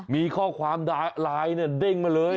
มีข้อความไลน์เนี่ยเด้งมาเลย